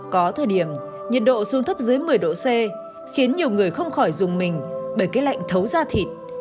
có thời điểm nhiệt độ xuống thấp dưới một mươi độ c khiến nhiều người không khỏi dùng mình bởi cái lạnh thấu ra thịt